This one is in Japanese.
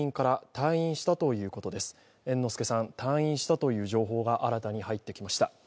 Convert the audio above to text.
退院したという情報が新たに入ってきました。